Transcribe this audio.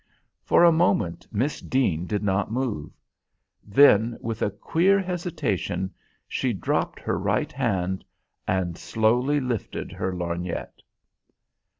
For a moment Miss Deane did not move; then, with a queer hesitation, she dropped her right hand and slowly lifted her lorgnette.